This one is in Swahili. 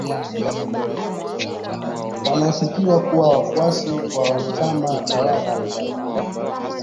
wanaoshukiwa kuwa wafuasi wa chama tawala cha zanu